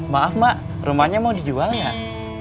maaf mak rumahnya mau dijual nggak